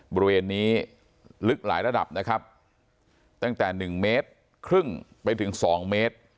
บริเวณนี้ลึกหลายระดับนะครับตั้งแต่๑เมตรครึ่งไปถึง๒เมตร